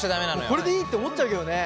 これでいいって思っちゃうけどね。